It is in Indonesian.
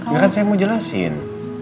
nggak kan saya mau jelasin